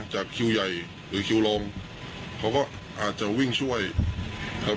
จากคิวใหญ่หรือคิวลงเขาก็อาจจะวิ่งช่วยครับ